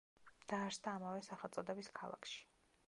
დაარსდა ამავე სახელწოდების ქალაქში.